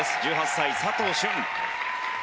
１８歳、佐藤駿。